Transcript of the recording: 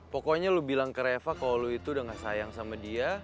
pokoknya lo bilang ke reva kalau lu itu udah gak sayang sama dia